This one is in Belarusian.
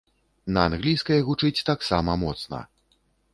На англійскай гучыць таксама моцна.